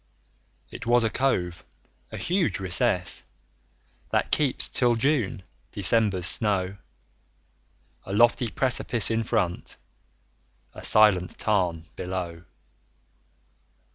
It was a cove, a huge recess, That keeps, till June, December's snow; A lofty precipice in front, A silent tarn [A] below!